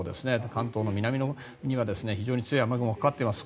関東の南には非常に強い雨雲がかかっています。